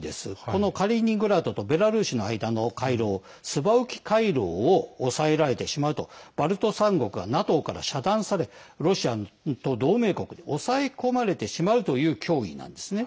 このカリーニングラードとベラルーシの間の回廊スバウキ回廊を押さえられてしまうとバルト３国はＮＡＴＯから遮断されロシアと同盟国に抑え込まれてしまうという脅威なんですね。